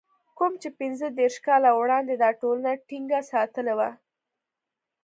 کوم چې پنځه دېرش کاله وړاندې دا ټولنه ټينګه ساتلې وه.